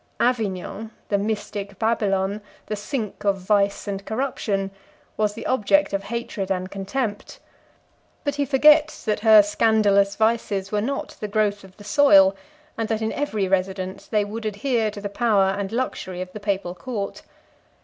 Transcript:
Avignon, the mystic Babylon, the sink of vice and corruption, was the object of his hatred and contempt; but he forgets that her scandalous vices were not the growth of the soil, and that in every residence they would adhere to the power and luxury of the papal court.